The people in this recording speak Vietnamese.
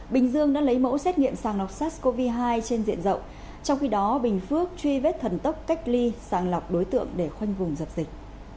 bình dương đã lấy mẫu xét nghiệm sàng lọc sars cov hai trên diện rộng trong khi đó bình phước truy vết thần tốc cách ly sàng lọc đối tượng để khoanh vùng dập dịch